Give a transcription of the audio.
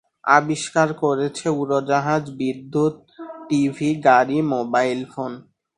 আবিষ্কার করেছে উড়ােজাহাজ, বিদ্যুৎ, টি.ভি. গাড়ি, মোবাইল ফোন।